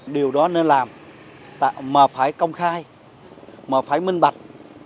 điều đó nên làm mà phải công khai mà phải minh bạch